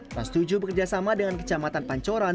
trans tujuh bekerjasama dengan kecamatan pancoran